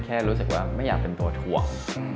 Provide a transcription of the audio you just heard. แค่รู้สึกว่าไม่อยากเป็นตัวถ่วง